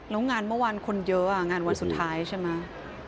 แล้วงานเมื่อวานคนเยอะงานวันสุดท้ายใช่ไหม